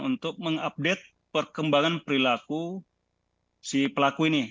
untuk mengupdate perkembangan perilaku si pelaku ini